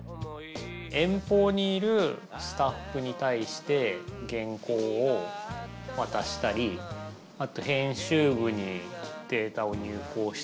遠方にいるスタッフに対して原稿をわたしたりあと編集部にデータを入稿したりも。